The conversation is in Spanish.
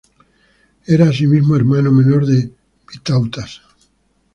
Era asimismo hermano menor de Vitautas.